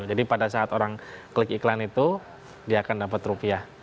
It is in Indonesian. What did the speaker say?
jadi pada saat orang klik iklan itu dia akan dapat rupiah